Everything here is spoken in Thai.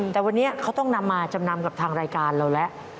แต่วันนี้เขาต้องนำมาจำนำกับทางรายการเราแล้ว